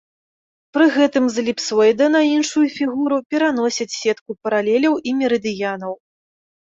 Пры гэтым з эліпсоіда на іншую фігуру пераносяць сетку паралеляў і мерыдыянаў.